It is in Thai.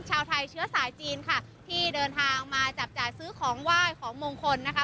ชาวไทยเชื้อสายจีนค่ะที่เดินทางมาจับจ่ายซื้อของไหว้ของมงคลนะคะ